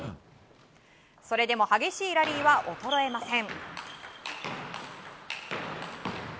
それでも激しいラリーは衰えません。